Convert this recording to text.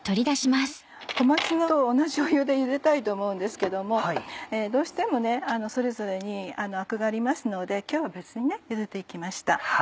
小松菜と同じ湯で茹でたいと思うんですけどもどうしてもそれぞれにアクがありますので今日は別に茹でて行きました。